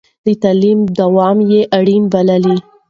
د تعليم دوام يې اړين باله.